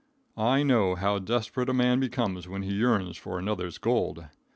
I know how desperate a man becomes when he yearns for another's gold.